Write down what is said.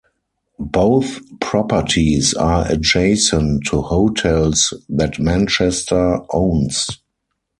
Both properties are adjacent to hotels that Manchester owns.